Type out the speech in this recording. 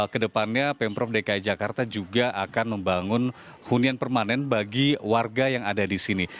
kedepannya pemprov dki jakarta juga akan membangun hunian permanen bagi warga yang ada di sini